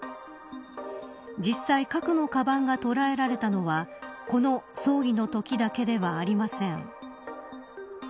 実際、核のカバンが捉えられたのはこの葬儀のときだけではありません。